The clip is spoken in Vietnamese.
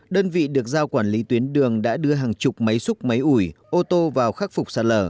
đơn vị được giao quản lý tuyến đường đã đưa hàng chục máy xúc máy ủi ô tô vào khắc phục sạt lở